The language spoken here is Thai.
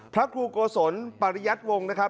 พระครูโกศลปริยัติวงศ์นะครับ